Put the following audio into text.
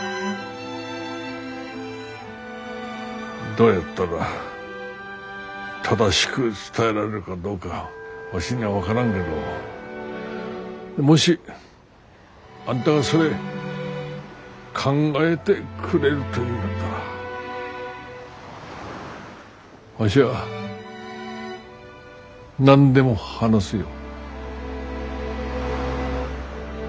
どうやったら正しく伝えられるかどうかわしには分からんけどもしあんたがそれ考えてくれるというんだったらわしは何でも話すよ。